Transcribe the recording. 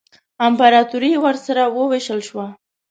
امپراطوري یې سره ووېشل شوه.